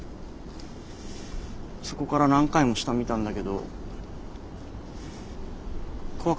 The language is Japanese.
そこから何回も下見たんだけど怖かったりしてやめた。